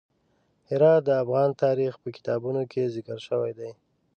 هرات د افغان تاریخ په کتابونو کې ذکر شوی دی.